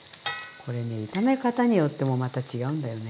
これね炒め方によってもまた違うんだよね。